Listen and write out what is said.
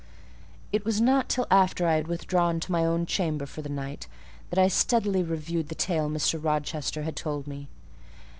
It was not till after I had withdrawn to my own chamber for the night, that I steadily reviewed the tale Mr. Rochester had told me.